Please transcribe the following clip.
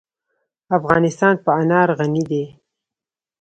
افغانستان په انار غني دی.